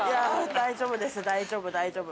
大丈夫です大丈夫大丈夫。